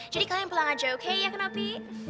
jadi kalian pulang aja oke ya kan opi